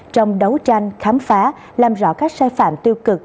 trong đấu tranh khám phá làm rõ các sai phạm tiêu cực